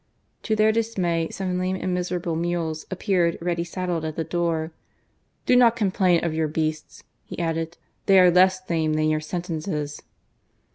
To their dismay, some lame and miserable mules appeared ready saddled at the door. " Do not complain of your beasts," he added ;" they are less lame than your sentences."